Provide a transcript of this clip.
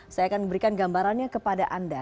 saya akan memberikan gambarannya kepada anda